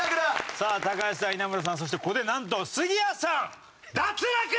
さあ橋さん稲村さんそしてここでなんと杉谷さん脱落！